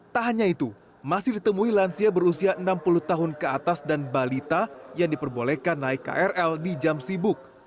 tak hanya itu masih ditemui lansia berusia enam puluh tahun ke atas dan balita yang diperbolehkan naik krl di jam sibuk